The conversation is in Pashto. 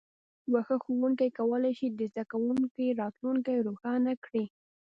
یو ښه ښوونکی کولی شي د زده کوونکي راتلونکی روښانه کړي.